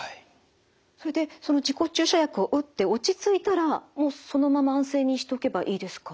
それでその自己注射薬を打って落ち着いたらもうそのまま安静にしておけばいいですか？